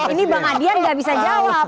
ini bang adian nggak bisa jawab